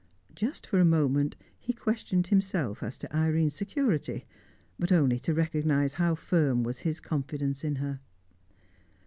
Just for a moment he questioned himself as to Irene's security, but only to recognise how firm was his confidence in her.